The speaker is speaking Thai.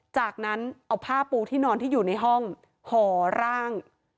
จากนั้นเอาผ้าปูที่นอนที่อยู่ในห้องห่อร่าง